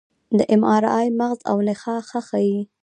د اېم ار آی مغز او نخاع ښه ښيي.